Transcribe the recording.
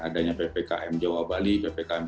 adanya ppkm jawa bali ppkm